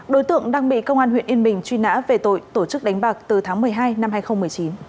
đối tượng đang bị công an huyện yên bình truy nã về tội tổ chức đánh bạc từ tháng một mươi hai năm hai nghìn một mươi chín